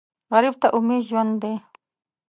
غریب ته امید ژوند دی